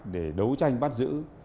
để đấu tranh bắt giữ